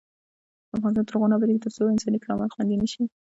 افغانستان تر هغو نه ابادیږي، ترڅو انساني کرامت خوندي نشي.